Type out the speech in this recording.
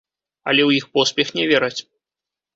Але ў іх поспех не вераць.